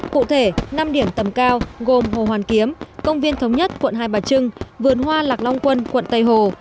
cụ thể năm điểm tầm cao gồm hồ hoàn kiếm công viên thống nhất quận hai bà trưng vườn hoa lạc long quân quận tây hồ